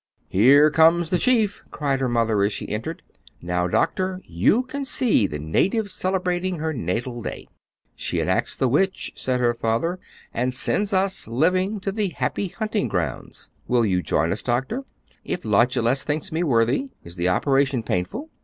"Here comes the chief!" cried her mother as she entered. "Now, Doctor, you can see the native celebrating her natal day." "She enacts the witch," said her father "and sends us, living, to the happy hunting grounds. Will you join us, Doctor?" "If Lachesis thinks me worthy. Is the operation painful?"